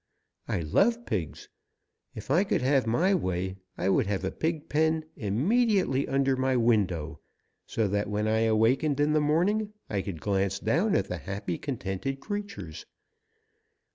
I love pigs. If I could have my way I would have a pig pen immediately under my window, so that when I awakened in the morning I could glance down at the happy, contented creatures.